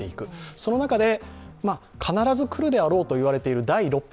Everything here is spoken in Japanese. その中で必ず来るであろうといわれている第６波。